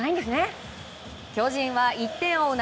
巨人は１点を追う